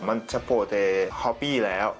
มันเฉพาะแต่ตัวปฏิสปรากฎแล้ว